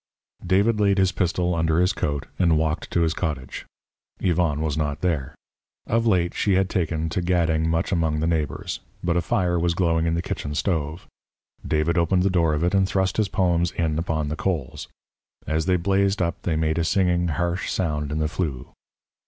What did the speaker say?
David laid his pistol under his coat and walked to his cottage. Yvonne was not there. Of late she had taken to gadding much among the neighbours. But a fire was glowing in the kitchen stove. David opened the door of it and thrust his poems in upon the coals. As they blazed up they made a singing, harsh sound in the flue.